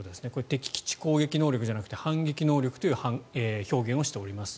敵基地攻撃能力じゃなくて反撃能力という表現をしております。